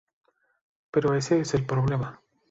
Pero ese es el problema.